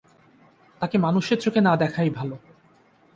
তাকে মানুষের চোখে না দেখাই ভালো।